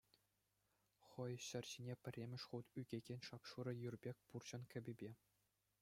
Хӑй ҫӗр ҫине пӗрремӗш хут ӳкекен шап-шурӑ юр пек пурҫӑн кӗпепе.